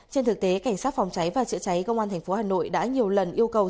trên thực tế cảnh sát phòng cháy và chữa cháy công an tp hà nội đã nhiều lần yêu cầu